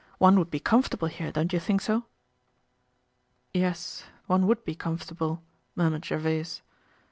One would be comfortable here, don't you think so?" "Yes, one would be comfortable," murmured Gervaise.